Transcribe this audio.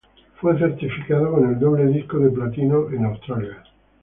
Fue certificado con el doble disco de platino en Australia.